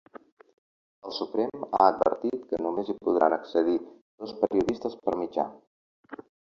El Suprem ha advertit que només hi podran accedir dos periodistes per mitjà.